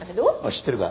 知ってるか？